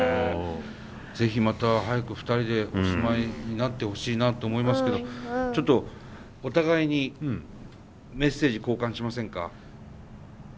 是非また早く２人でお住まいになってほしいなって思いますけどちょっとお互いにメッセージ交換しませんか？